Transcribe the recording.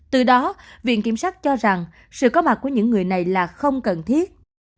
từ đó viện kiểm sát cho rằng sự có mặt của những người này là không cần thiết